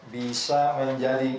bisa menjadi kemampuan